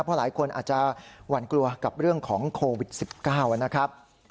เพราะหลายคนอาจจะหวั่นกลัวกับเรื่องของโควิด๑๙นะครับ